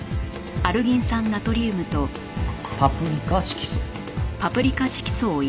パプリカ色素。